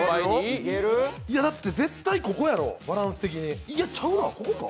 いやだって絶対ここやろ、バランス的にいや、ここか？